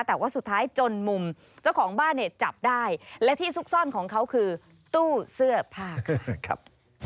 แต่ว่าสุดท้ายจนมุมเจ้าของบ้านเนี่ยจับได้และที่ซุกซ่อนของเขาคือตู้เสื้อผ้าครับ